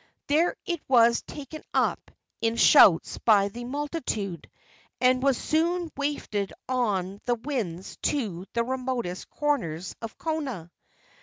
There it was taken up in shouts by the multitude, and was soon wafted on the winds to the remotest corners of Kona.